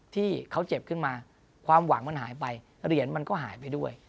ที่เขาเจ็บขึ้นมาความหวังมันหายไปเหรียญมันก็หายไปด้วย